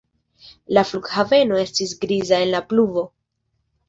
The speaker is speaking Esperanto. La flughaveno estis griza en la pluvo.